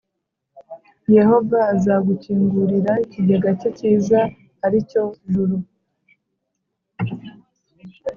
Yehova azagukingurira ikigega cye cyiza, ari cyo juru,